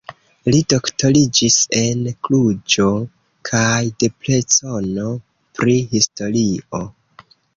Li doktoriĝis en Kluĵo kaj Debreceno pri historio.